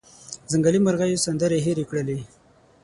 ځنګلي مرغېو سندرې هیرې کړلې